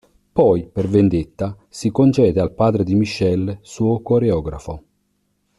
Poi, per vendetta, si concede al padre di Michel, suo coreografo.